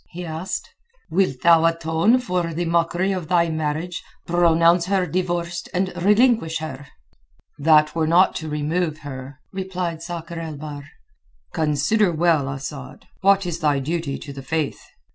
he asked. "Wilt thou atone for the mockery of thy marriage, pronounce her divorced and relinquish her?" "That were not to remove her," replied Sakr el Bahr. "Consider well, Asad, what is thy duty to the Faith.